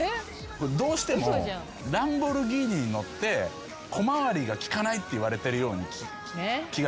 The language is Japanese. どうしてもランボルギーニに乗って小回りが利かないって言われてるような気がするんです。